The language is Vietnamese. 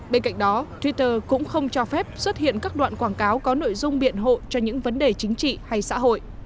bên cạnh đó twitter cũng không cho phép xuất hiện các đoạn quảng cáo có nội dung biện hộ cho những vấn đề chính trị hay xã hội